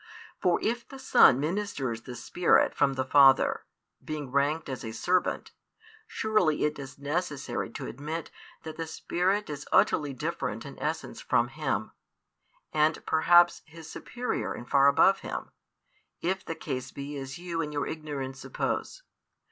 For if the Son ministers the Spirit from the Father, being ranked as a servant, surely it is necessary to admit that the Spirit is utterly different in Essence from Him, and perhaps His superior and far above Him, if the case be as you in your ignorance suppose.